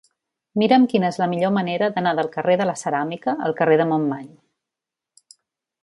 Mira'm quina és la millor manera d'anar del carrer de la Ceràmica al carrer de Montmany.